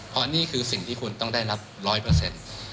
เพราะนี่คือสิ่งที่คุณต้องได้รับร้อยเปอร์เซ็นต์